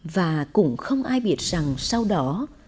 và cũng không ai biết rằng sau đó